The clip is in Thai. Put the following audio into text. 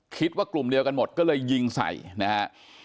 คิดว่ากลุ่มเดียวกันหมดก็เลยยิงใส่นะฮะ